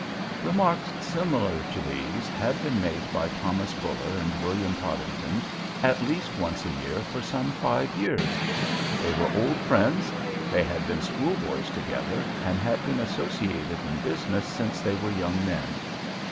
Remarks similar to these had been made by Thomas Buller and William Podington at least once a year for some five years. They were old friends; they had been schoolboys together and had been associated in business since they were young men.